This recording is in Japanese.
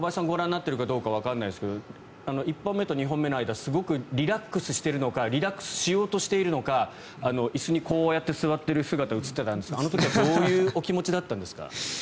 ご覧になっているかどうかわからないんですが１本目と２本目の間すごくリラックスしているのかリラックスしようとしているのか椅子にこうやって座っている姿が映っていたんですけどあの時はどういうお気持ちだったんですか？